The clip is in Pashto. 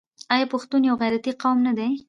آیا پښتون یو غیرتي قوم نه دی؟